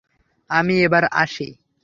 আমি এবার আসি।